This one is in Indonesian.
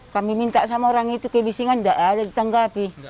kami minta sama orang itu kebisingan tidak ada ditanggapi